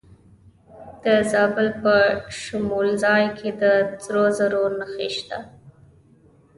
د زابل په شمولزای کې د سرو زرو نښې شته.